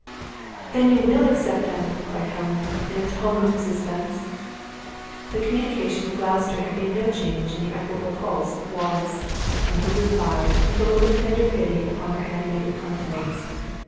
"Then you will accept them!" cried Helen, in a tumult of suspense. The communication of Gloucester had made no change in the equable pulse of Wallace; and he replied, with a look of tender pity upon her animated countenance.